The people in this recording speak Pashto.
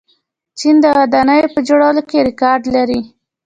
چین د ودانیو په جوړولو کې ریکارډ لري.